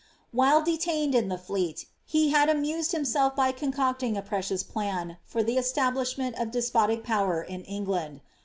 While detained in the Fleet, he had amused himaelf by concocting t precious plan for the establishment of despotic power in England.